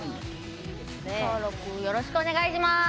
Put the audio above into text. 登録よろしくお願いします！